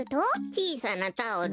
ちいさなタオル。